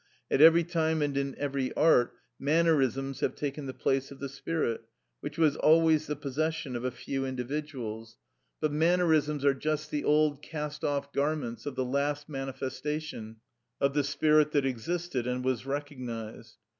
At every time and in every art, mannerisms have taken the place of the spirit, which was always the possession of a few individuals, but mannerisms are just the old cast off garments of the last manifestation of the spirit that existed and was recognised.